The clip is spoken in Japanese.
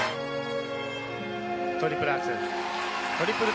トリプルアクセル。